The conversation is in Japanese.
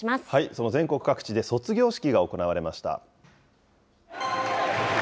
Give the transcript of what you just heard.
その全国各地で卒業式が行われました。